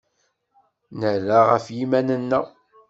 Nerra ɣef yiman-nneɣ.